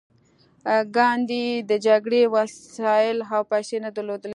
ګاندي د جګړې وسایل او پیسې نه درلودې